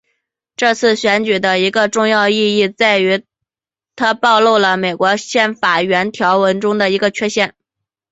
这次选举的一个重要意义在于它暴露了美国宪法原始条文中的一个缺陷。